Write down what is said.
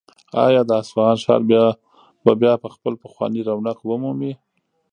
آیا د اصفهان ښار به بیا خپل پخوانی رونق ومومي؟